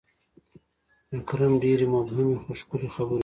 ویکرم ډېرې مبهمې، خو ښکلي خبرې وکړې: